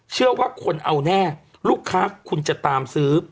เชื่อว่าคนเอาแน่ลูกค้าคุณจะตามซื้อ